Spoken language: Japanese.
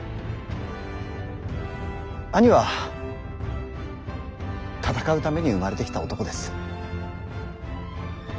兄は戦うために生まれてきた男です。